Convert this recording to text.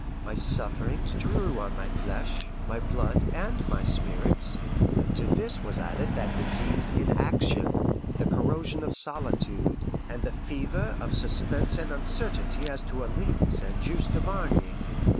My sufferings drew on my flesh, my blood, and my spirits, and to this was added that disease inaction, the corrosion of solitude, and the fever of suspense and uncertainty as to Alixe and Juste Duvarney.